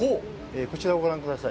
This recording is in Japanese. こちらをご覧ください。